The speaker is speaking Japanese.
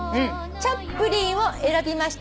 「チャップリン」を選びました